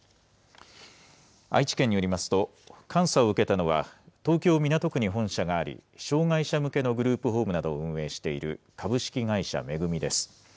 愛知県によりますと、監査を受けたのは、東京・港区に本社があり、障害者向けのグループホームなどを運営している株式会社恵です。